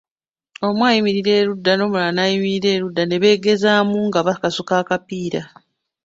Omu ayimirira erudda n'omulala erudda ne beegezaamu nga bakasuka akapiira.